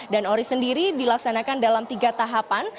dan oris sendiri dilaksanakan dalam tiga tahapan